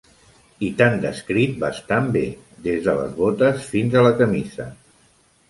i t'han descrit bastant bé, des de les botes fins a la camisa.